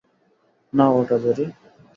নাও ওটা, জেরি।